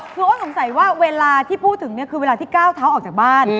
คือโอ้สงสัยว่าเวลาที่พูดถึงเนี่ยคือเวลาที่ก้าวเท้าออกจากบ้าน